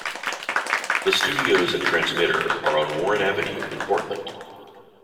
The studios and transmitter are on Warren Avenue in Portland.